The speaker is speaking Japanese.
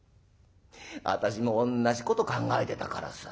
「私も同じこと考えてたからさ」。